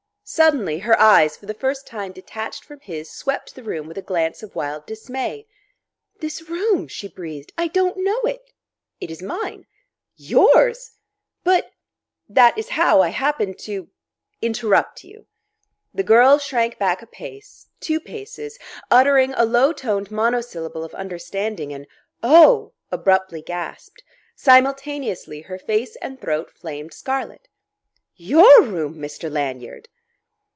Suddenly her eyes, for the first time detached from his, swept the room with a glance of wild dismay. "This room," she breathed "I don't know it " "It is mine." "Yours! But " "That is how I happened to interrupt you." The girl shrank back a pace two paces uttering a low toned monosyllable of understanding, an "O!" abruptly gasped. Simultaneously her face and throat flamed scarlet. "Your room, Mr. Lanyard!"